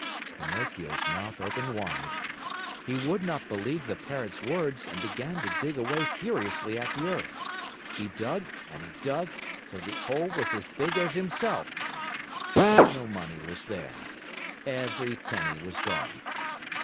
Pinocchio's mouth opened wide. He would not believe the Parrot's words and began to dig away furiously at the earth. He dug and he dug till the hole was as big as himself, but no money was there. Every penny was gone.